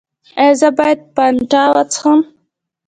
ایا زه باید فانټا وڅښم؟